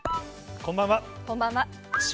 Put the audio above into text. こんばんは。